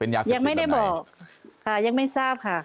ยังไม่ได้บอกค่ะยังไม่ทราบค่ะ